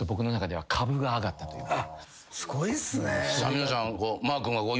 皆さん。